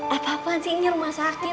apa apa sih ini rumah sakit